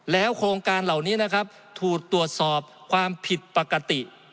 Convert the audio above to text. โครงการเหล่านี้นะครับถูกตรวจสอบความผิดปกติ